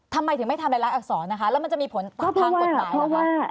ทำไมถึงไม่ทำรายละอักษรนะคะแล้วมันจะมีผลทางกฎหมายล่ะคะ